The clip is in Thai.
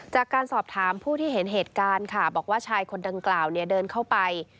จากการสอบถามผู้ที่เห็นเหตุการณ์ค่ะบอกว่าชายคนดังกล่าวเดินเข้าไป